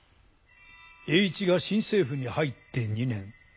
栄一が新政府に入って２年。